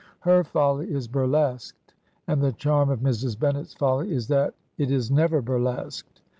Her folly is burlesqued, and the charm of Mrs. Bennet's foUy is that it is never burlesqued.